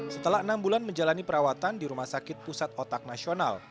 setelah enam bulan menjalani perawatan di rumah sakit pusat otak nasional